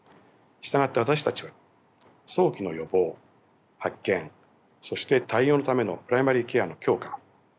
従って私たちは早期の予防発見そして対応のためのプライマリーケアの強化